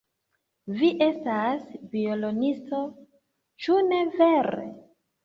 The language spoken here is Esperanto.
Vi estas violonisto, ĉu ne vere?